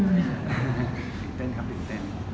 ตื่นเต้นจริงครับตื่นเต้นครับ